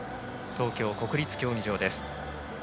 東京・国立競技場です。